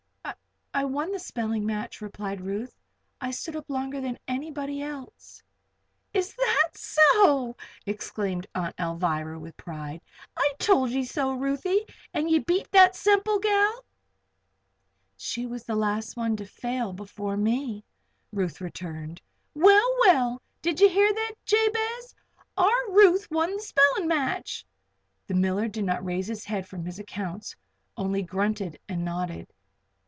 "I won the spelling match," replied Ruth. "I stood up longer than anybody else." "Is that so!" exclaimed Aunt Alvirah, with pride. "I told ye so, Ruthie. And ye beat that Semple gal?" "She was the last one to fail before me," Ruth returned. "Well, well! D'ye hear that, Jabez? Our Ruth won the spellin' match." The miller did not raise his head from his accounts; only grunted and nodded.